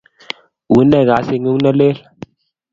Une kasit ng'uung' ne lel?